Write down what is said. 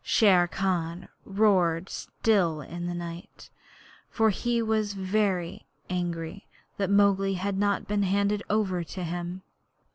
Shere Khan roared still in the night, for he was very angry that Mowgli had not been handed over to him.